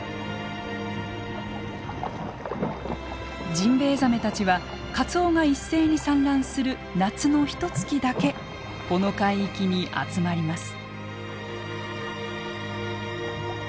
ジンベエザメたちはカツオが一斉に産卵する夏のひとつきだけこの海域に集まります。